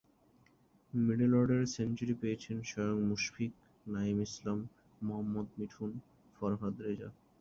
Middle অর্ডারে century পেয়েছেন স্বয়ং মুশফিক, নাঈম ইসলাম, মোহাম্মদ মিঠুন, ফরহাদ রেজা।